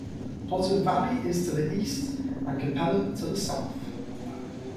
Potter Valley is to the east and Calpella to the south.